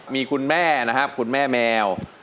มีคุณแม่นะครับคุณแม่แมว